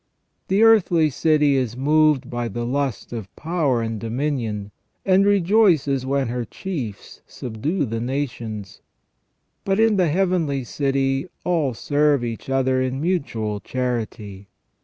The earthly city is moved by the lust of power and dominion, and rejoices when her chiefs subdue the nations ; but in the heavenly city all serve each other in mutual charity.